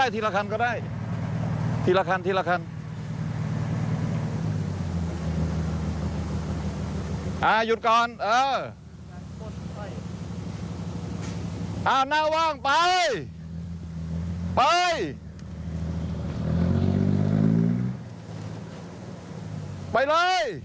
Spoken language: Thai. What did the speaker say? ไปไงล่ะ